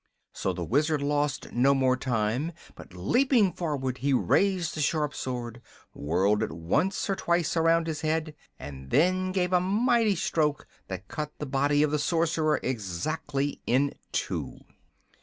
So the Wizard lost no more time, but leaping forward he raised the sharp sword, whirled it once or twice around his head, and then gave a mighty stroke that cut the body of the Sorcerer exactly in two.